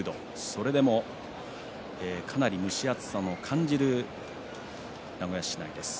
それでもかなり蒸し暑さも感じる名古屋市内です。